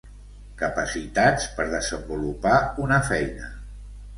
Capacitats per desenvolupar una feina.